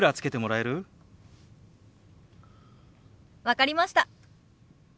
分かりました。